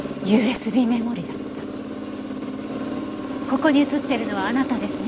ここに映ってるのはあなたですね。